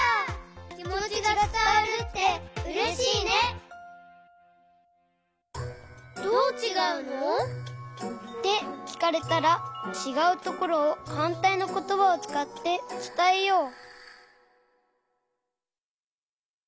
きもちがつたわるってうれしいね！ってきかれたらちがうところをはんたいのことばをつかってつたえよう！